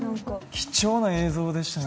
貴重な映像でしたね